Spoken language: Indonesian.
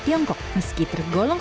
tiongkok meski tergolong